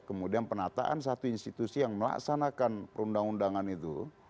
kemudian penataan satu institusi yang melaksanakan perundang undangan itu